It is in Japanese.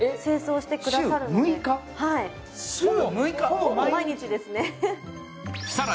ほぼ毎日ですね。